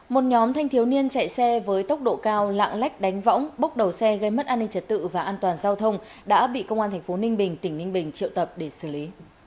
một nhóm thanh thiếu niên chạy xe với tốc độ cao lạng lách đánh võng bốc đầu xe gây mất an ninh trật tự và an toàn giao thông đã bị công an thành phố ninh bình tỉnh ninh bình triệu tập để xử lý